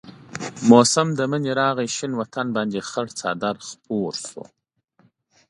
موسم د منی راغي شين وطن باندي خړ څادر خور شو